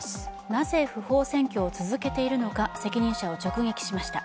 なぜ不法占拠を続けているのか責任者を直撃しました。